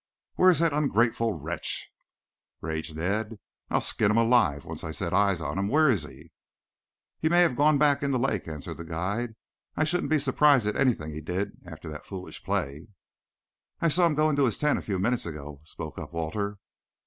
"Where's that ungrateful wretch?" raged Ned. "I'll skin him alive once I set eyes on him. Where is he?" "He may have gone back in the lake," answered the guide. "I shouldn't be surprised at anything he did after that foolish play." "I saw him go into his tent a few minutes ago," spoke up Walter.